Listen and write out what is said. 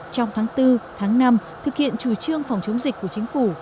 trong tháng bốn tháng năm thực hiện chủ trương phòng chống dịch của chính phủ